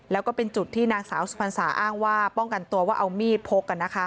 แล้วก็เป็นจุดที่นางสาวสุพรรษาอ้างว่าป้องกันตัวว่าเอามีดพก